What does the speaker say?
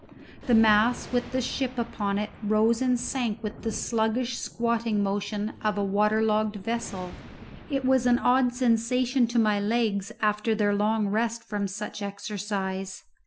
The mass with the ship upon it rose and sank with the sluggish squatting motion of a water logged vessel. It was an odd sensation to my legs after their long rest from such exercise.